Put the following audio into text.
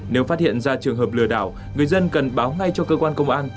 nếu phát hiện ra trường hợp lừa đảo người dân cần báo ngay cho cơ quan công an